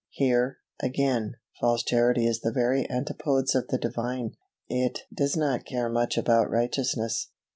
Here, again, false Charity is the very antipodes of the Divine. It does not care much about righteousness.